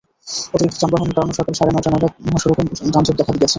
অতিরিক্ত যানবাহনের কারণে সকাল সাড়ে নয়টা নাগাদ মহাসড়কে যানজট দেখা গেছে।